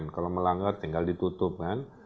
kalau melanggar tinggal ditutup kan